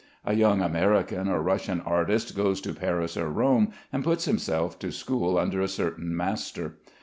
A young American or Russian artist goes to Paris or Rome, and puts himself to school under a certain master.